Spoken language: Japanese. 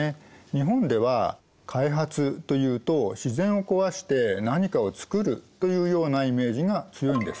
日本では開発というと自然を壊して何かを作るというようなイメージが強いんです。